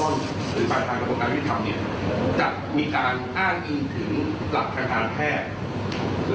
หรือประทานกระบวนการวิทยาลัยฯจะมีการอ้างอีกถึงหลักข้างทางแพทย์